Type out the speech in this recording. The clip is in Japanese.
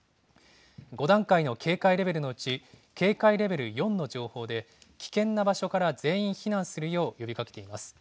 ５段階の警戒レベルのうち警戒レベル４の情報で、危険な場所から全員避難するよう呼びかけています。